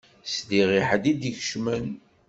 Sliɣ i ḥedd i d-ikecmen.